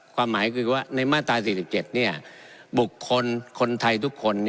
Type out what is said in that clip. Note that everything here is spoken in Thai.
ความหมายคือว่าในมาตรา๔๗บุคคลคนไทยทุกคน